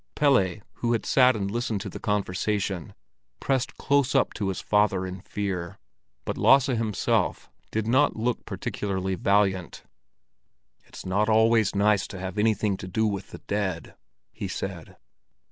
Pelle, who had sat and listened to the conversation, pressed close up to his father in fear; but Lasse himself did not look particularly valiant. "It's not always nice to have anything to do with the dead," he said.